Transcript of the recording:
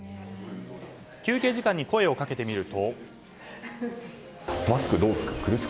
休憩時間に声をかけてみると。